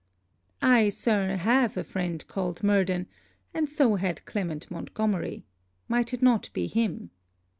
'I, Sir, have a friend called Murden; and so had Clement Montgomery. Might it not be him?'